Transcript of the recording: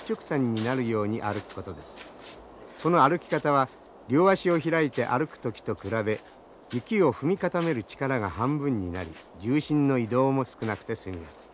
その歩き方は両足を開いて歩く時と比べ雪を踏み固める力が半分になり重心の移動も少なくて済みます。